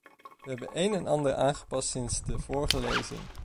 We hebben een en ander aangepast sinds de vorige lezing.